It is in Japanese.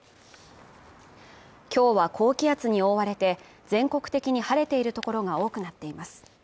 今日は高気圧に覆われて全国的に晴れているところが多くなっています。